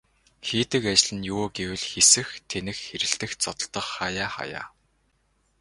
Хийдэг ажил нь юу вэ гэвэл хэсэх, тэнэх хэрэлдэх, зодолдох хааяа хааяа.